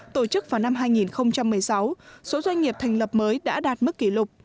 tổ chức vào năm hai nghìn một mươi sáu số doanh nghiệp thành lập mới đã đạt mức kỷ lục